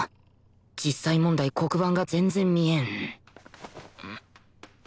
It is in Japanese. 実際問題黒板が全然見えん